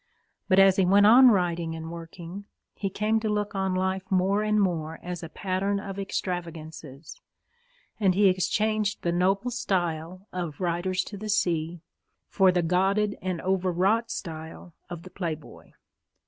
But, as he went on writing and working, he came to look on life more and more as a pattern of extravagances, and he exchanged the noble style of Riders to the Sea for the gauded and overwrought style of _The Playboy.